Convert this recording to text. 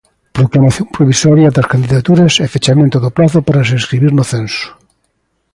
Proclamación provisoria das candidaturas e fechamento do prazo para se inscribir no censo.